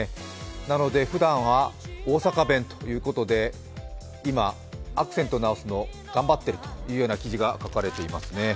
なのでふだんは大阪弁ということで、今、アクセントを直すのを頑張っているという記事が書かれてますね。